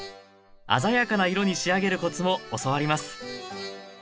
鮮やかな色に仕上げるコツも教わります